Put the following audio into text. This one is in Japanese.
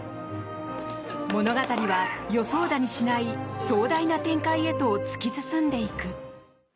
物語は予想だにしない壮大な展開へと突き進んでいく。